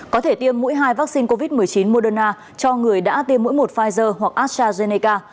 có thể tiêm mũi hai vaccine covid một mươi chín moderna cho người đã tiêm mỗi một pfizer hoặc astrazeneca